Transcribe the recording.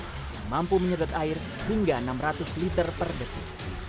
yang mampu menyedot air hingga enam ratus liter per detik